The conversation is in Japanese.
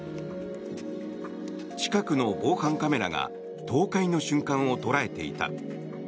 近くの防犯カメラが倒壊の瞬間を捉えていた。